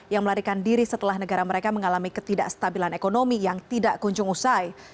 yang melarikan diri setelah negara mereka mengalami ketidakstabilan ekonomi yang tidak kunjung usai